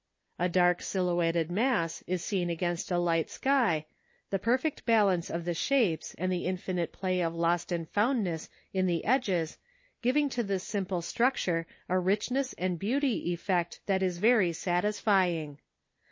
A dark silhouetted mass is seen against a light sky, the perfect balance of the shapes and the infinite play of lost and foundness in the edges giving to this simple structure a richness and beauty effect that is very satisfying.